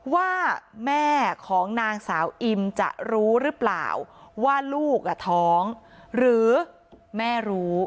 ว่าแม่ของนางสาวอิมจะรู้หรือเปล่าว่าลูกท้องหรือแม่รู้